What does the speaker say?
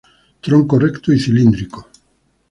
Tronco recto y cilíndrico.